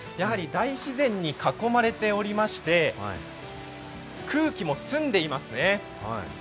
大自然に囲まれておりまして、空気も澄んでいますね。